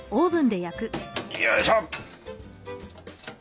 よいしょ。